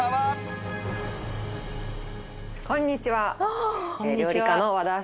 こんにちは。